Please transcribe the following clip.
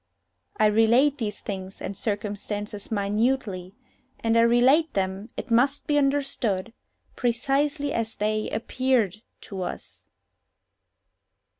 I relate these things and circumstances minutely, and I relate them, it must be understood, precisely as they _appeared_to us.